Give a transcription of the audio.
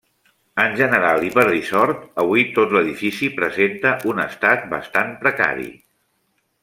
En general, i per dissort, avui tot l'edifici presenta un estat bastant precari.